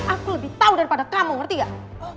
aku lebih tahu daripada kamu ngerti gak